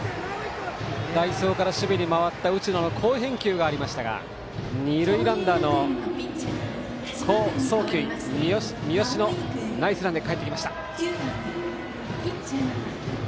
代走から守備に回った打野の好返球がありましたが二塁ランナー、三好のナイスランでかえってきました。